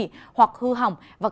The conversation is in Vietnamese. hoặc không thể thực hiện được